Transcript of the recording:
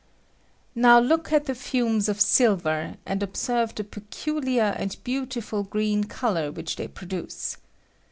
] Now look at the fumes of silver, and observe the peculiar and beautiful green color which they produce.